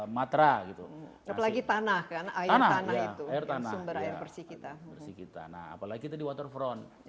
matra itu lagi tanah kan air tanah air tanah bersih kita bersih kita nah apalagi di waterfront